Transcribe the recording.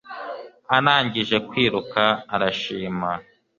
Arangije kwiruka arishima